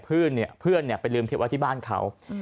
เพื่อนเนี่ยเพื่อนเนี่ยไปลืมเทปไว้ที่บ้านเขาอืม